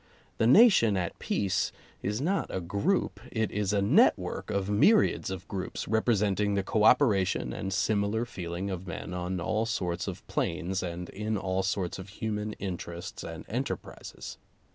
The nation at peace is not a group, it is a network of myriads of groups representing the cooperation and similar feeling of men on all sorts of planes and in all sorts of human interests and enterprises.